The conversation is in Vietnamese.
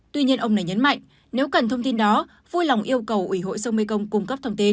tuy nhiên ông này nhấn mạnh nếu cần thông tin đó vui lòng yêu cầu ủy hội sông mekong cung cấp thông tin